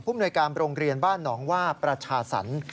ผู้บริการโรงเรียนบ้านนองว่าประชาษัน